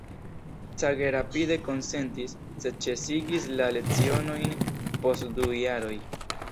Cage rapide konsentis, sed ĉesigis la lecionojn post du jaroj.